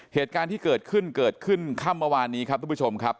เหตุการณ์ที่เกิดขึ้นเกิดขึ้นค่ำเมื่อวานนี้ครับทุกผู้ชมครับ